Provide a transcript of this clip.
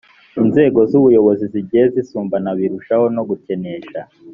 inzego z ubuyobozi zigiye zisumbana birushaho no gukenesha